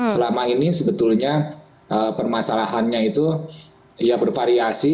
selama ini sebetulnya permasalahannya itu ya bervariasi